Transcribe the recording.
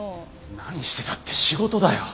何してたって仕事だよ！